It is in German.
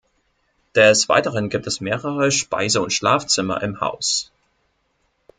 Des Weiteren gibt es mehrere Speise- und Schlafzimmer im Haus.